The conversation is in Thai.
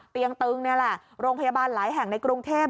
ตึงนี่แหละโรงพยาบาลหลายแห่งในกรุงเทพ